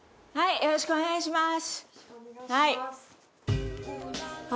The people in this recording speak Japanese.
よろしくお願いします。